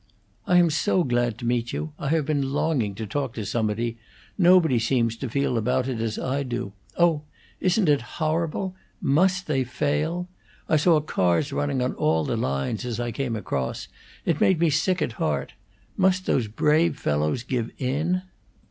"I am so glad to meet you. I have been longing to talk to somebody; nobody seems to feel about it as I do. Oh, isn't it horrible? Must they fail? I saw cars running on all the lines as I came across; it made me sick at heart. Must those brave fellows give in?